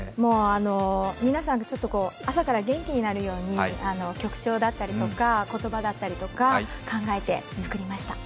皆さんが朝から元気になるように、曲調だったりとか、言葉だったりとか、考えて作りました。